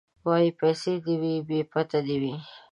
دی وايي پيسې دي وي بې پت دي وي